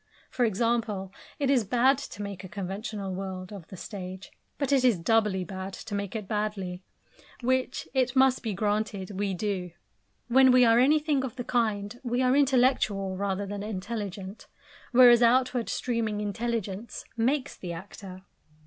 For example, it is bad to make a conventional world of the stage, but it is doubly bad to make it badly which, it must be granted, we do. When we are anything of the kind, we are intellectual rather than intelligent; whereas outward streaming intelligence makes the actor.